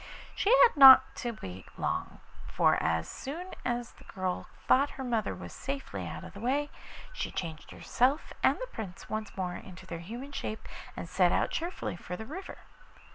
She had not to wait long, for as soon as the girl thought her mother was safely out of the way, she changed herself and the Prince once more into their human shape, and set out cheerfully for the river.